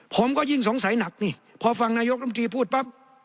ผมก็ยิ่งสงสัยหนักนี่พอฟังนายกรมตรีพูดปั๊บ